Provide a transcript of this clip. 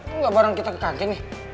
enggak barang kita ke kantin nih